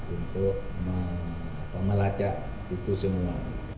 untuk melacak itu semua